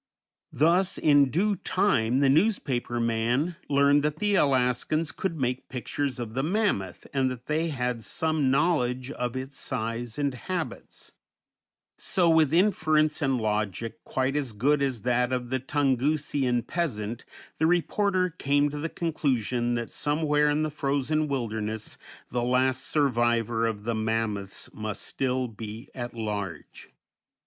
Thus in due time the newspaper man learned that the Alaskans could make pictures of the mammoth, and that they had some knowledge of its size and habits; so with inference and logic quite as good as that of the Tungusian peasant, the reporter came to the conclusion that somewhere in the frozen wilderness the last survivor of the mammoths must still be at large.